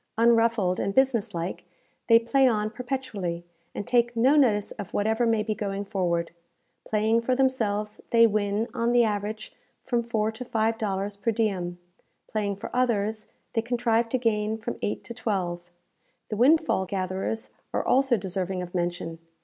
Unruffled and business like, they play on perpetually, and take no notice of whatever may be going forward. Playing for themselves, they win, on the average, from four to five dollars per diem; playing for others, they contrive to gain from eight to twelve. The windfall gatherers are also deserving of mention.